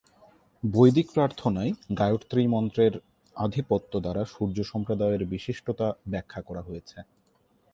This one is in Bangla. বৈদিক প্রার্থনায় গায়ত্রী মন্ত্রের আধিপত্য দ্বারা সূর্য সম্প্রদায়ের বিশিষ্টতা ব্যাখ্যা করা হয়েছে।